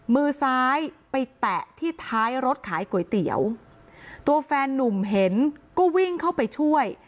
มือซ้ายไปแตะที่ท้ายรถขายก๋วยเตี๋ยวตัวแฟนนุ่มเห็นก็วิ่งเข้าไปช่วย